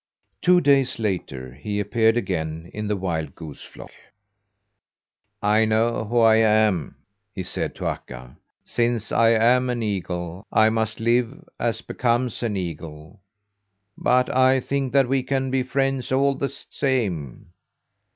Two days later he appeared again in the wild goose flock. "I know who I am," he said to Akka. "Since I am an eagle, I must live as becomes an eagle; but I think that we can be friends all the same.